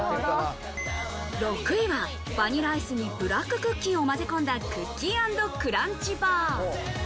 ６位はバニラアイスにブラッククッキーをまぜ込んだクッキー＆クランチバー。